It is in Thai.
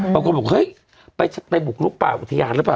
บางคนบอกเฮ้ยไปบุกลุกป่าอุทยานหรือเปล่า